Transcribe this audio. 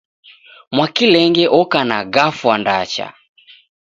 Mwakilenge oka na gafwa ndacha.